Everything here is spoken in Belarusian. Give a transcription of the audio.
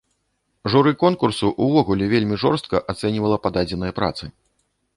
Журы конкурсу ўвогуле вельмі жорстка ацэньвала пададзеныя працы.